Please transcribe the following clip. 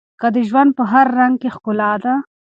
د ژوند په هر رنګ کې ښکلا ده.